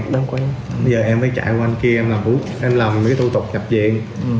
bây giờ em phải chạy qua anh kia em làm mấy cái tổ tục nhập viện